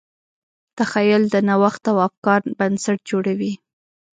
تخیل د نوښت او ابتکار بنسټ جوړوي.